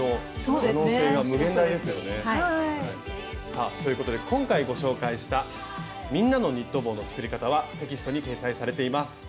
さあということで今回ご紹介した「みんなのニット帽」の作り方はテキストに掲載されています。